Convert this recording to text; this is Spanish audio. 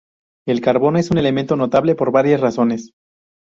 El carbono es un elemento notable por varias razones.